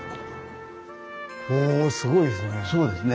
おおすごいですね。